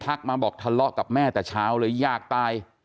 มาบอกทะเลาะกับแม่แต่เช้าเลยอยากตาย